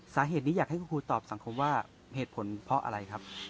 สาเหตุนี้อยากให้คุณครูตอบสังคมว่าเหตุผลเพราะอะไรครับ